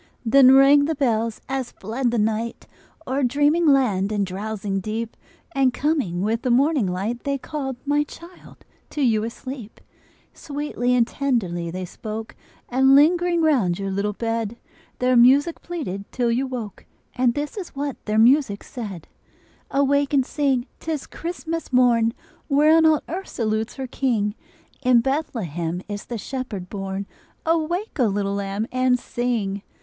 Then rang the bells as fled the night O'er dreaming land and drowsing deep, And coming with the morning light, They called, my child, to you asleep. Sweetly and tenderly they spoke, And lingering round your little bed, Their music pleaded till you woke, And this is what their music said: "Awake and sing! 'tis Christmas morn, Whereon all earth salutes her King! In Bethlehem is the Shepherd born. Awake, O little lamb, and sing!"